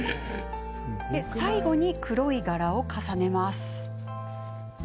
最後に黒い柄を重ねます。